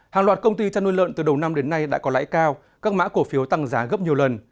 hàng loạt công ty chăn nuôi lợn từ đầu năm đến nay đã có lãi cao các mã cổ phiếu tăng giá gấp nhiều lần